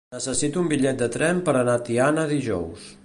Necessito un bitllet de tren per anar a Tiana dijous.